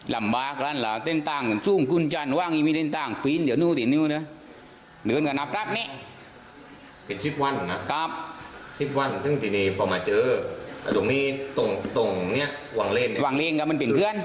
รวมทำความรักถึงมีเกาะอย่างติดกัน